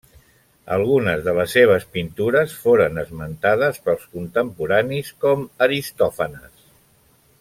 Algunes de les seves pintures foren esmentades pels contemporanis com Aristòfanes.